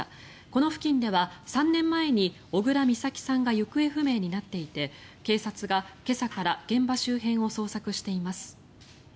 この付近では３年前に小倉美咲さんが行方不明になっていて警察が今朝から現場周辺を捜索しています。